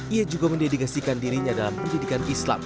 ia juga mendedikasikan dirinya dalam pendidikan islam